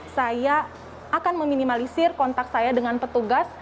saya akan meminimalisir kontak saya dengan petugas